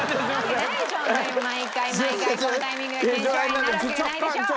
ホントに毎回毎回このタイミングで腱鞘炎になるわけがないでしょ。